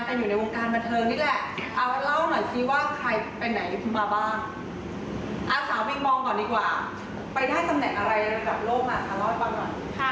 ไปได้สำแหน่งอะไรในระดับโลกน่ะถ่ายร้อยบ้างหน่อย